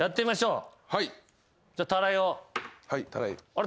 あれ？